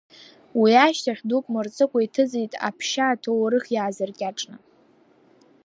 Уи ашьҭахь дук мырҵыкәа иҭыҵит Аԥшьа аҭоурых иаазыркьаҿны.